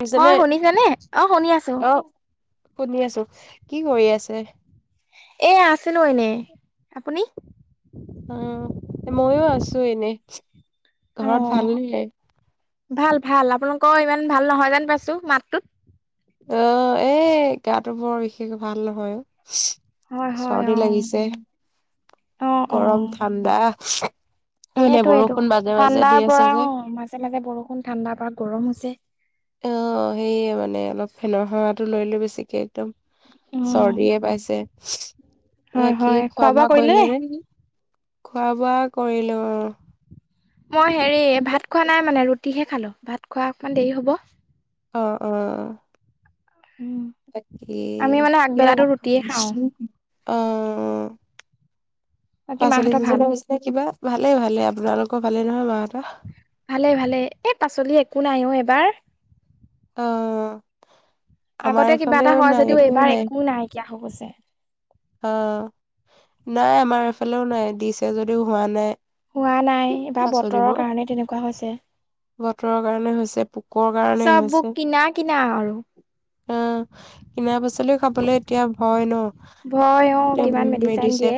শুনিছেনে? হয় শুনিছানে? অ শুনি আছোঁ। অ', শুনি আছো, কি কৰি আছে? এ আছিলোঁ এনে, আপুনি? মইয়ো আছো এনেই। অ ঘৰত ভাল নে? ভাল ভাল আপোনালোকৰ ইমান ভাল নহয় যেন পাইছো মাতটোত। অহ এ গাটো বৰ বিশেষ ভাল নহয়। হয় হয় চৰ্দি অ। লাগিছে, অ গৰম ঠাণ্ডা। মানে সেইটোয়েটো, বৰষুণ মাজে মাজে দি ঠাণ্ডাৰ আছে পৰা যে। অ মাজে মাজে বৰষুণ ঠাণ্ডা এনেকা গৰম হৈছে। অ সেইয়ে মানে অলপ ফেনৰ সেৱাটো লৈ লৈ বেছিকে একদম। উম চৰ্দিয়ে পাইছে। [unintelligible] অ একেই খোৱা বোৱা কৰিলে নে? খোৱা বোৱা কৰিলোঁ। মই হেৰি ভাত খোৱা নাই মানে ৰুটিহে খালোঁ। ভাত খোৱা অকমান দেৰি হ'ব। অ অ উম তাকে আমি মানে কি আগবেলাতো আৰু। ৰুটিয়ে খাওঁ। অঁ অঁ। বাকী পাচলে মাহঁতৰ যি ভাল? জনৰ হৈছিলে কিবা ভালে ভালে আপোনালোক। আকৌ পালে নহয় মা এটা। ভালে ভালে এ পাচলি একো নাই অ এইবাৰ। অ। আমাৰ আগতে কিবা এটা এইফালেও হয় নাই যদিওঁ এইবাৰ নাই একো নাইকিয়া। হ'ব আছে। অ নাই আমাৰ এফালেওঁ নাই দিছে যদিওঁ হোৱা নাই। হোৱা নাই বা বতৰৰ পাচলিবোৰ কাৰণে তেনেকুৱা হৈছে। বতৰৰ কাৰণে হৈছে পোকৰ কাৰণে চব বুৰ হৈছে কিনা কিনা আৰু। অ কিনা পাচলিওঁ খাবলে এতিয়া ভয় ন। ভয় অ কিমান মেডিচিন দিয়ে।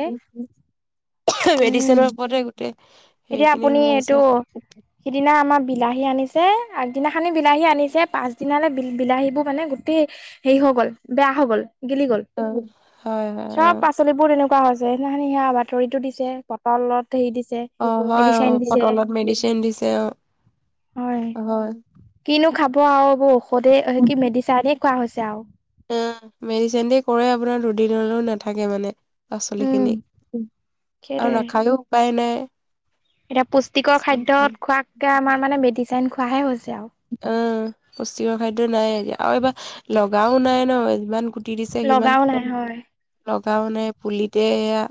উম মেডিচিনৰ ওপৰতে গোটেই। এতিয়া সেইখিনি আপুনি হৈ এইটো আছে সিদিনা আমাৰ বিলাহী আনিছ তে, আগদিনাখনহে বিলাহী আনিছে পাছ দিনালৈ বিল বিলাহীবোৰ মানে গোটেই হেৰি হৈ গ'ল, বেয়া হৈ গ'ল। গিলি গ'ল, অ হয় হয় চব পাচলিবোৰ এনেক কুৱা হৈছে সেইদিনাখনি সেয়া বাতৰিটো দিছে পটলত ঠেই দিছে। অ অ হয় অ মেডিচেন দিছে পটলত মেডিচিন দিছে হয় অ হয় কিনো খাব আৰু ঔষধে কি মেডিচানেক খোৱা হৈছে আও। অ মেডিচিন দি কৰে আপোনাৰ দুদিনলৈওঁ নাথাকে মানে। উম পাচলিখিনি আৰু সেইটোৱে। নাখায়ো উপায় নাই। [unintelligible] এতিয়া পুষ্টিকৰ খাদ্যত খোৱাকে আমাৰ মানে মেডিচিন খোৱা হে হৈছ অ পুষ্টিকৰ খাদ্য নাই এতিয়া আও এবা লগাও নাই ন যিমান গুটি দিছে সিমান লগাও নাই হয় পাওনে পুলিতে এয়া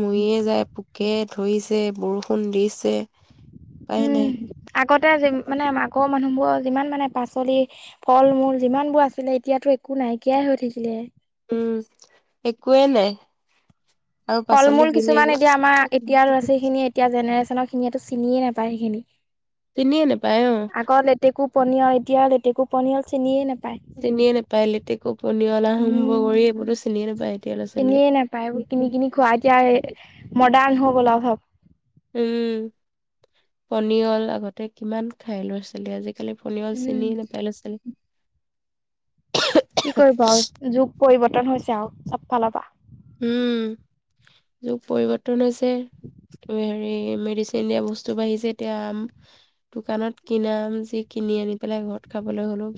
মৰিয়ে যায় পোকে ধৰিছে, বৰষুণ দিছে। উপাই নাই উম, আগতে [unintelligible] মানে আমা আগৰ মানুহবোৰৰ যিমান মানে পাচলি, ফল মূল যিমানবোৰ আছিলে এতিয়াতো একো নাইকিয়াই হৈ থাকিলে। উম, একোৱেই নাই। আৰু ফল পাচলি মূল কিনি কিছুমান এতিয়া আমাৰ এতিয়া লৰা ছোৱালী খিনিয়ে এতিয়া জেনেৰেশ্যনৰ খিনিয়ে চিনিয়ে নাপায় সেইখিনি। চিনিয়ে নাপায়, অ'। পনিয় এতিয়া লেতেকু পনিয়ল চিনিয়ে নাপ চিনিয়ে নাপায়, লেটেকু, পনিয়ল, আহোম উম বগৰী এইবোৰো চিনিয়ে নাপায়। এতিয়া ল'ৰা ছোৱালীয়ে। চিনিয়ে নাপায়, কিনি কিনি খোৱা এতিয়া মডাৰ্ণ হ [unintelligible] উম, পনিয়ল আগতে কিমান খাই ল'ৰা ছোৱালী আজি [unintelligible] পনিয়ল উম চিনিয়ে নাপায় লৰা ছোৱালী কি কৰিব আৰু, যুগ পৰিবৰ্তন হৈছে। [unintelligible] চবফালৰ পা। উম, যুগ পৰিৱৰ্তন হৈছে হেৰি মেডিচিন দিয়া বস্তু বাঢ়িছে, এতিয়া আম, দোকানত কিনা আম যি কিনি আনি পেলাই ঘৰত খাবলৈ হলো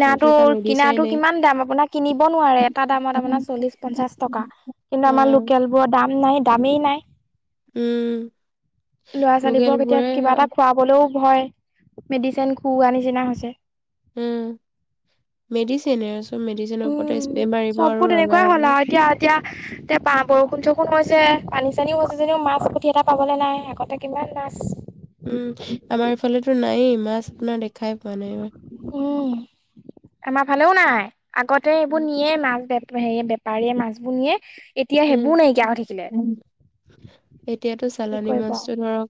সেইটো এটা কিনাটো মেডিচাইনে। কিমান দাম আপোনাক কিনিব নোৱাৰে এটাত এটা আমত আপোনাৰ চল্লিশ পঞ্চাছ টকা কিন্তু আমাৰ অ', লোকেলবোৰৰ দাম নাই দামেই নাই। উম। ল'ৰা ছোৱালীবোৰক এতিয়া লোকেলবোৰে কিবা এটা খুৱাবলৈও ভয়, মেডিচিন খুওোৱা নিচিনা হৈছে। উম মেডিচিনে মেডিচিনৰ ওপৰতে উম স্প্ৰে মাৰিব আৰু চববোৰ ৰঙা তেনেকুৱাই হ'ব। হ'ল আৰু এতিয়া এতিয়া এতিয়া পা বৰষুণ চ কম হৈছে পানী চানীও হৈছে যেনও মাছ পুঠি এটা পাবলৈ নাই আগতে কিমান মাছ। উম আমাৰ এইফালেতো নাইয়েই মাছ আপোনাৰ দেখ খাই পোৱা নাইবাৰ। উম আমাৰ ফালেও নাই। আগতে এইবোৰ নিয়ে মাছ বে সে বেপাৰীয়ে মাছবোৰ নিয়ে। এতিয়া উম সেইবোৰ নাইকিয়া হৈ থাকিলে ম, এতিয়াতো কি চালানি কৰিব আৰু মাছতটো ধৰক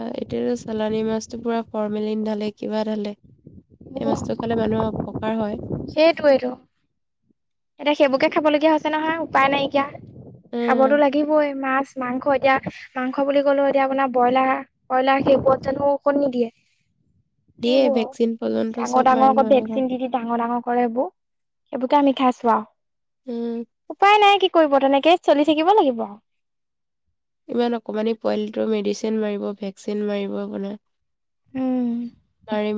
এ এতিয়াতো চালানি মাছতটো পুৰা ফৰমেলিন ঢাল কিবা এটা হ'লে এই মাছটো খালে মানুহৰ অপ কাৰ হয় সেইটোৱে এইটো এতিয়া সেইবোৰকে খাব লগীয়া হৈছে নহয় উপায় নাইকিয়া উম, খাবতো লাগিবই মাছ মাংস এতিয়া মাংস বুলি কলো এতিয়া আপোনাৰ ব্ৰইলা ব্ৰইলাৰ সেইবোৰত জানো অকণ নিদিয়ে দিয়ে সেইবোৰ আও ভেকচিন পৰ্যন্ত ডাঙৰ চব ডাঙৰ মাৰে আকৌ নহয় অলপ। ভেকচিন দি দি ডাঙৰ ডাঙৰ কৰে হেবো সেইবোৰকে আমি খাইছো ৱাও উম, উপায় নাই কি কৰিব তেনেক কে চলি থাকিব লাগিব আও ইমান অকমানি পোৱালিটো মেডিচিন মাৰিব ভেকচিন মাৰিব আপোনাৰ উম মাৰি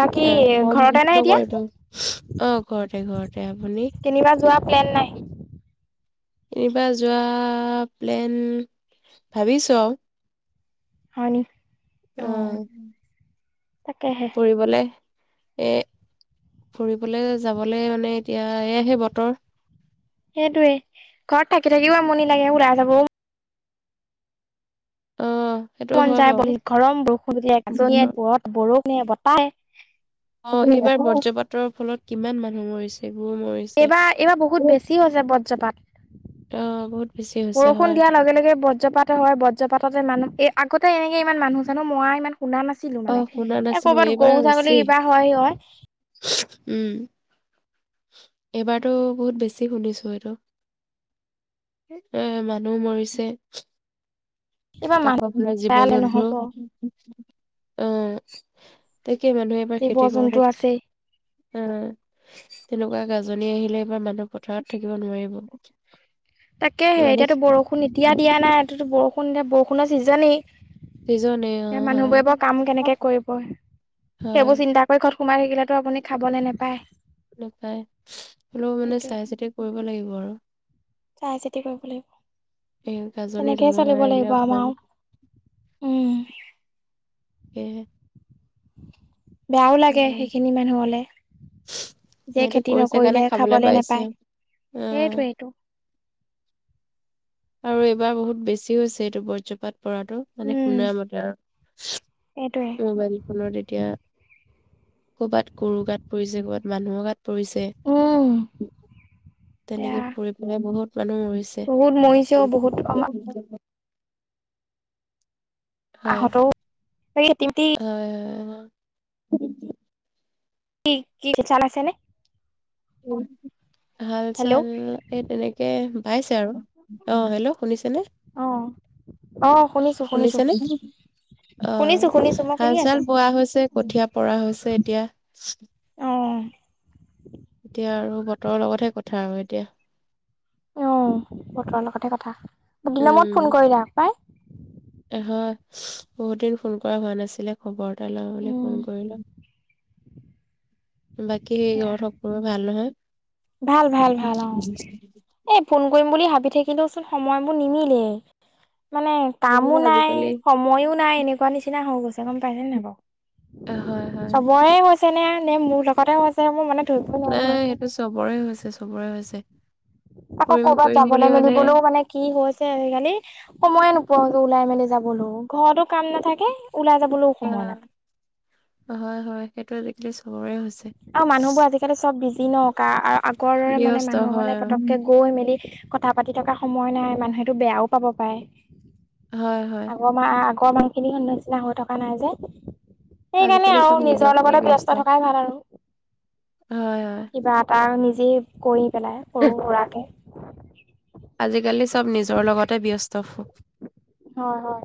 বাকী ঘৰতে নাই [unintelligible] এতিয়া কৰে টো অ ঘৰতে ঘৰতে আপুনি কেনিবা যোৱা প্লেন নাই এইবা যোৱা প্লেন ভাবিছোঁ আও হয় নি অ তাকেহে ফুৰিবলে এই ফুৰিবলৈ যাবলে মানে এতিয়া এয়াহে বতৰ। সেইটোৱে ঘৰত থাকি, থাকিও আমনি লাগে ওলাই যাবও অ সেইটো মন হয় যায় [inaudible] বাৰু বৰষুণ দিয়ে, গাজনিয়ে বতৰ ৰ'দ বৰ [inaudible] অ', এইবাৰ বজ্ৰপাতৰ ফলত কিমান মানুহ মৰিছে। গৰু মৰিছে এইবাৰ, এইবাৰ বহুত বেছি হৈছে বজ্ৰপাত। অ বহুত বেছি হৈছে বৰষুণ হয় দিয়াৰ লগে, লগে বজ্ৰপাত হয়, বজ জপাততে মানুহ এই, আগতে এনেকে ইমান মানুহ চানুহ মৰা ইমান শুনা নাছিলো অ মানে। শুনা এই নাছিলো কৰ'বাত এইবাৰ গৰু, বেছি ছাগলী কিবা হয়, হয়। উম, এইবাৰতো বহুত বেছি শুনিছোঁ এইটো। এ, মানুহ মৰিছে। এইবাৰ মানুহ আকৌ আপোনাৰ জীৱ বেয়ালে জন্তু। নহব অ', তাক কেই মানুহে এইবাৰ জীৱ খেতি কৰোঁতে। জন্তু আছেই অ', তেনেকুৱা গাজনি আহিলে এইবাৰ মানুহ পথাৰত থাকি তাকেহে মানে এতিয়াতো বৰষুণ এতিয়া দিয়া নাই, তাতো বৰষু ষুণ, এতিয়া বৰষুণৰ ছিজেনেই চিজনে এয়া অ' হয়। মানুহবোৰে বাও কাম কেনেকে কৰিব? হয় সেইবোৰ চিন্তা কৰি ঘৰত সোমাই থাকিলেতো আপুনি খাবলৈ নেপায় নেপায়। হলেও মানে সেইটোৱে চাই চিতি কৰিব লাগিব [inaudible] চাই চিতি কৰিব এই লাগিব। গাজনি তেনেকেই ধুমুহা চলিব আহিলে লাগিব অকমান আমাৰ আও, উম [inaudible] বেয়াও লাগে সেইখিনি মানুহলে যিয়ে সিহঁতি খেতি কৰিছে কাৰণে নকৰিলে খাবলৈ খাবলে পাইছে। নাপায়, অ' সেইটোৱেইতো। আৰু এইবাৰ বহুত বেছি হৈছে এইটো বজ্ৰপাত। পৰাটো, মানে উম শুনা মতে সেইটোৱে। আৰু। মোবাইল ফোনত এতিয়া কৰ'বাত গৰু গাত পৰিছে, কৰ'বাত মানুহৰ গাত পৰিছে, উম এয়া তেনেকে পৰি পেলাই বহুত মানুহ মৰিছে। [inaudible] বহুত মৰিছেও বহুত আমা [inaudible] হয়, আহঁতও [unintelligible] হয়, [inaudible] কি কি চান আছেনে? [inaudible] হাল চাল হেল্ল' এই তেনেকে, বাইছে আৰু অ হেল্ল' শুনিছেনে, অ শুনিছো শুনিছো। শুনিছেনে অ শুনিছো শুনিছো মই হাল শুনি আছো। চাল বোৱা হৈছে কঠীয়া পৰা হৈছে এতিয়া। অ এতিয়া আৰু বতৰৰ লগতহে কথা আৰু এতিয়া। অ বতৰৰ লগতে কথা। দিন মূৰত ফোন উম, কৰিলা পাই। হয় বহুত দিন ফোন কৰা হোৱা নাছিলে খবৰত তাল হলে উম। ফোন কৰিলা। বাকী এয়া ঘৰত সকলোৰে ভাল নহয়। ভাল, ভাল, ভাল অ এ ফোন কৰিম বুলি ভাবি থাকিলওচোন সময়বোৰ নিমিলেই, মানে বিভিন্ন কামো নাই আজিকালি সময়ো নাই এনেকুৱা নিচিনা হৈ গৈছে, গম পাইছে নাই বাৰু। হয় হয়। আনে নে, মোৰ লগতেও আছে, মোৰ মানে ধৰিব নোৱাৰো নাই, নহয়। সেইটো চবৰে হৈছে চবৰে হৈছে। আকৌ কৰিম কৰ'বাত কৰিম বুলি যাবলৈ মেলিবলৈও মানে কি হৈছে আজিকালি? সময়ে নোপোৱা ওলাই মেলি যাবলৈ, ঘৰতো কাম নাথাকে। ওলাই যাবলৈও হা, সময় নাথাকে। হয়, হয়, সেইটোৱে এইটো চবৰে হৈছে। আৰু মানুহবোৰ আজিকালি চব বিজি দিনকা আগৰ দৰে মানে ব্যস্ত হয় মানুহৰখনে পতককে আৰু। গৈ মেলি কথা পাতি থকা সময় নাই, মানুহেতো বেয়াও পাব পাৰে। হয় হয়। আগৰ মা আগৰ মানুহখিনি নিচিনা হৈ থকা নাই যে। সেইকাৰণে আজিকালি চব আৰু নিজক নিজৰ লৈ লগতে ব্যস্ত থকাই ভাল আৰু। হয়, হয়। আৰু নিজে কৰি পেলাই, সৰু সুৰাকে আজিকালি চব নিজৰ লগতে ব্যস্ত। [inaudible] হয়, হয়।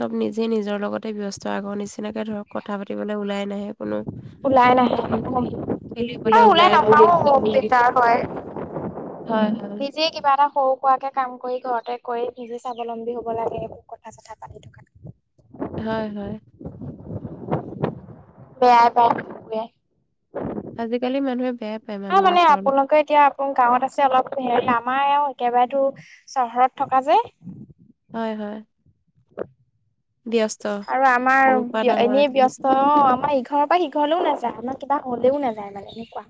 চব নিজে নিজৰ লগতে ব্যস্ত আগৰ নিচিনাকে ধৰক কথা পাতিবলৈ ওলাই নাহে কোনো। ওলাই নাহে, খেলিবলৈ আৰু ওলাই নাহে। নহাও দিগদাৰ হয়, হয়, হয়। নিজে কিবা এটা সৰু সুৰাকে কাম কৰি ঘৰতে কৰি নিজে স্বাৱলম্বী হব লাগে, একো কথা চথা পাতি কৰাতকৈ। হয়, হয়। বেয়া [unintelligible] আজিকালি মানুহে বেয়া পায় অ মানুহৰ মানে ওচৰলৈ। আপোনাকে এতিয়া আপুনি গাঁৱত আছে, অলপ হেৰি নাম [unintelligible] ‌ একেবাৰেতো চহৰত থকা যে হয়, হয়। ব্যস্ত। আৰু আমাৰ সৰুৰ পৰা এনেই ডাঙৰলৈকে। ব্যস্ত ন? আমাৰ ইঘৰৰ পৰা সিঘৰলৈও নায আমাৰ কিবা হ'লেও নাযায় মানে, এনেকুৱা।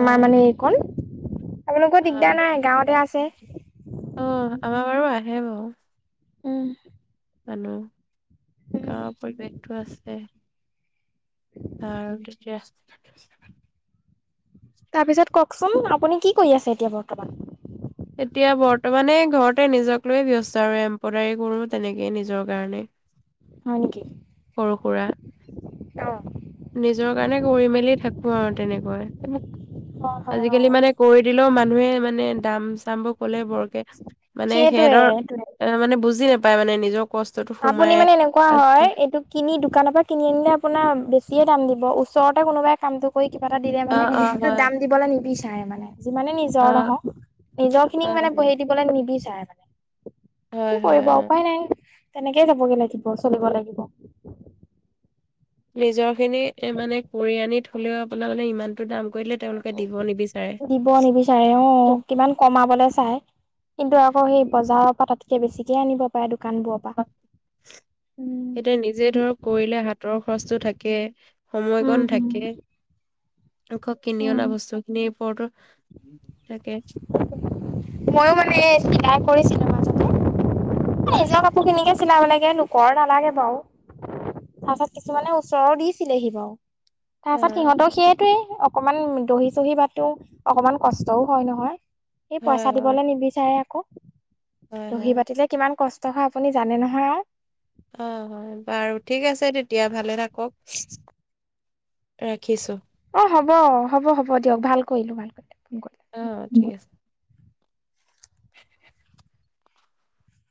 আমাৰ মানে এইকন অহ, [inaudible] অ আহে বাও। উম। জানো। গাঁৱৰ পৰিৱেশটো আছে। [unintelligible] [inaudible] তাৰপিছত কওকচোন, আপুনি কি কৰি আছে এতিয়া বৰ্তমান? এতিয়া বৰ্তমানে ঘৰতে নিজক লৈয়ে ব্যস্ত আৰু এম্প্ৰডাৰী কঁৰো তেনেকেই নিজৰ কাৰণে। হয় নেকি সৰু সুৰা। অ। নিজৰ কাৰণে কৰি মেলি থাকো আৰু তেনেকুৱাই, হয় হয় অ আজিকালি মানে কৰি দিলেও মানুহে মানে দাম চামবোৰ কলে বৰকে মানে সেইটোৱে সিহঁতৰ সেইটোৱে এ মানে বুজি নাপ পাই মানে নিজক আপুনি মানে এনেকুৱা হয় এইটো কিনি দোকানৰ পৰা কিনি আনিলে আপোনাৰ বেছিয়ে দাম দিব ব ওচৰতে কোনোবাই কামটো কৰি কিবা এটা দিলে অ মানে অ [unintelligible] হয় দাম দিবলৈ নিবিচ [unintelligible] মানে। যিমানে অ নিজৰ নহওঁক, নিজৰ অ খিনিক মানে [unintelligible] হয় দিবলৈ নিবিচ তাই মানে। কি হয় কৰিব আও অ উপায় নাই। তেনেকেই যাবগে লাগিব, চলিব লাগিব। নিজৰ খিনি এ মানে কৰি‌ আনি থলেও আপোনাৰ মানে ইমানটো দাম কৰিলে তেওঁলোকে দিব নিবিচাৰে। দিব নিবিচাৰে অ', কিমান কমাবলে চাই। কিন্তু আকৌ সেই বজাৰৰ পৰা তাতকে বেছিকে আনিব পাৰে দুপ এতিয়া নিজে ধৰক কৰিলে হাতৰ খৰচটো থাকে সময়কণ থাকে। উম আকৌ কিনি অনা উম বস্তু খিনি [inaudible] মই মানে [unintelligible] কৰিছিলোঁ মাজতে। হয় নিজৰ হয় কাপোৰ খিনিকে চিলাব লাগ এ লোকৰ নালাগে বাৰু। তাৰ পিছত কিছুমানে ওচৰৰ দিছিলেহি বাৰু। অ তাৰছত সিহঁতৰ সেইেটোৱেই। অকমান দহি চহি বাটো, অকমান কষ্টও হয় নহয়। এই হয় পইচা হয় দিবলৈ নিবিচাৰে আকৌ। হয় দহি হয়। বাাতিলে কিমান কচ ট হয়, আপুনি জানে নহয় আও অ, হয়। বাৰু ঠিক আছে তেতিয়া ভালে থাকক, ৰাখিছোঁ। অ হ'ব, হ'ব, হ'ব দিয়ক। ভাল কৰিলোঁ, ভাল কৰিলে। অ', ঠিকে আছে [inaudible]